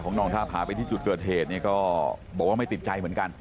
อ๋อน้องท่าพาไปที่จุดเกือบเทศก็บอกว่าไม่ติดใจเหมือนกัน